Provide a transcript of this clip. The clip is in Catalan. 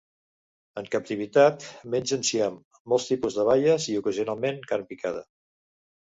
En captivitat, menja enciam, molts tipus de baies, i ocasionalment carn picada.